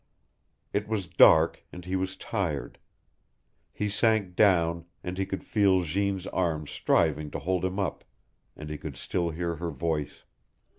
It was dark, and he was tired. He sank down, and he could feel Jeanne's arms striving to hold him up, and he could still hear her voice.